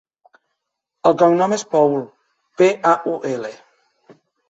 El cognom és Paul: pe, a, u, ela.